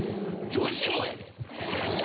女子もやで。